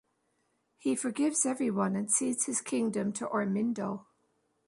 He forgives everyone and cedes his kingdom to Ormindo.